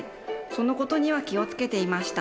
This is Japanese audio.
その事には気をつけていました。